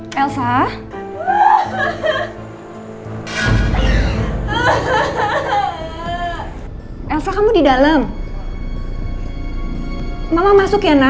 kalo dia ngeliat apa yang diri dia orang terdengarnya